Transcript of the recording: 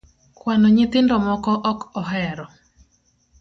Kwano nyithindo moko ok ohero